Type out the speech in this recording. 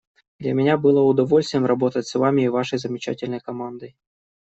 Для меня было удовольствием работать с Вами и Вашей замечательной командой.